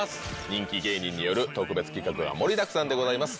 人気芸人による特別企画が盛りだくさんでございます。